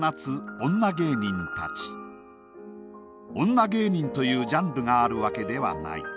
女芸人というジャンルがあるわけではない。